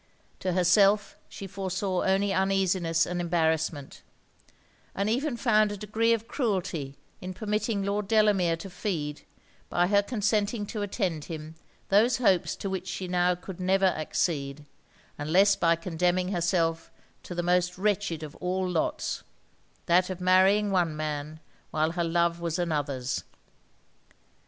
To herself she foresaw only uneasiness and embarrassment; and even found a degree of cruelty in permitting Lord Delamere to feed, by her consenting to attend him, those hopes to which she now could never accede, unless by condemning herself to the most wretched of all lots that of marrying one man while her love was another's.